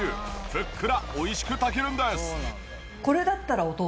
ふっくら美味しく炊けるんです。